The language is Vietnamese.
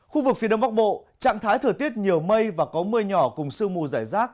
khu vực phía đông bắc bộ trạng thái thời tiết nhiều mây và có mưa nhỏ cùng sương mù giải rác